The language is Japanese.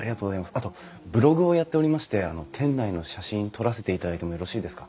あとブログをやっておりまして店内の写真撮らせていただいてもよろしいですか？